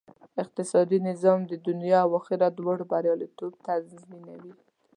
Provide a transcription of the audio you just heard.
اسلامي اقتصاد د دنیا او آخرت دواړو بریالیتوب تضمینوي